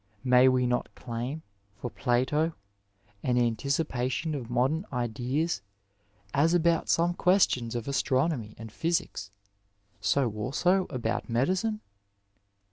May we not claim for Plato an anticipation of modem ideas as about some questions of astronomy and physics, so also about medicine